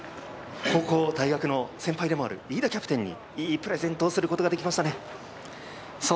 高校、大学の先輩でもある飯田キャプテンにいいプレゼントすることができましたね。